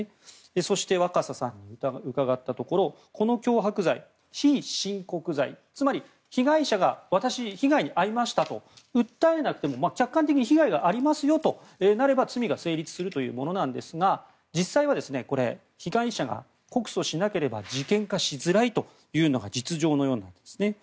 そして、若狭さんに伺ったところこの脅迫罪非親告罪、つまり被害者が私、被害に遭いましたと訴えなくても客観的に被害がありますとなれば罪が成立するというものですが実際は被害者が告訴しなければ事件化しづらいというのが実情のようなんですね。